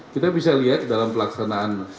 kita bisa lihat dalam pelaksanaan